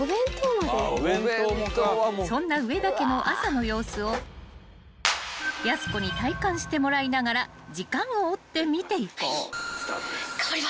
［そんな上田家の朝の様子をやす子に体感してもらいながら時間を追って見ていこう］スタートです。